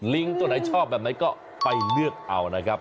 ตัวไหนชอบแบบไหนก็ไปเลือกเอานะครับ